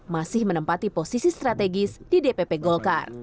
masih menempati posisi strategis di dpp golkar